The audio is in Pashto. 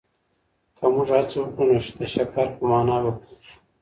که موږ هڅه وکړو نو د شکر په مانا به پوه سو.